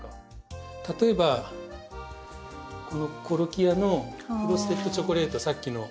例えばこのコロキアのフロステッドチョコレートさっきの。